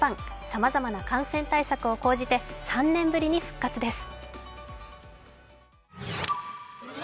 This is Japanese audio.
さまざまな感染対策を講じて３年ぶりに復活です。